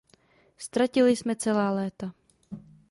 Ztratili jsme celá léta.